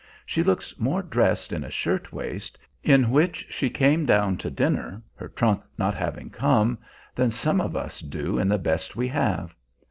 She looks more dressed in a shirt waist, in which she came down to dinner, her trunk not having come, than some of us do in the best we have.